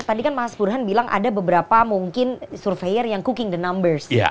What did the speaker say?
tadi kan mas burhan bilang ada beberapa mungkin surveyor yang cooking the numbers